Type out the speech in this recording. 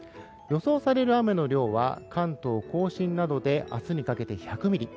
予想される雨の量は関東・甲信などで明日にかけて１００ミリ。